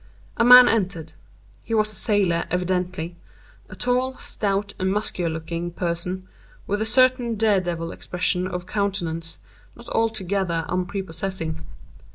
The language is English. A man entered. He was a sailor, evidently,—a tall, stout, and muscular looking person, with a certain dare devil expression of countenance, not altogether unprepossessing.